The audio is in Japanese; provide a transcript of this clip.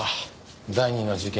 第二の事件